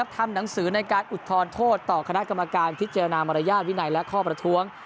ทำหนังสือในการอุทธรณโทษต่อคณะกรรมการพิจารณามารยาทวินัยและข้อประท้วง